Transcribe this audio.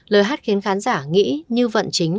lời hát khiến khán giả nghĩ như vận chính